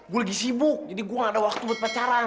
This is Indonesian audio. gue lagi sibuk jadi gue gak ada waktu buat pacaran